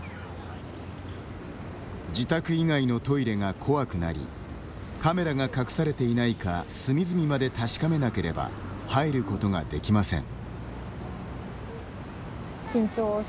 自宅以外のトイレが怖くなりカメラが隠されていないか隅々まで確かめなければ入ることができません。